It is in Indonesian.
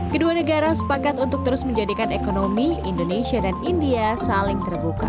kedua negara sepakat untuk terus menjadikan ekonomi indonesia dan india saling terbuka